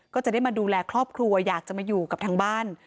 ก็จะได้มาดูแลครอบครัวอยากจะมาอยู่กับทางบ้าน